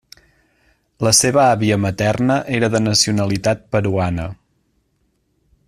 La seva àvia materna era de nacionalitat peruana.